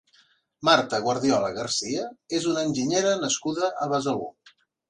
Marta Guardiola Garcia és una enginyera nascuda a Besalú.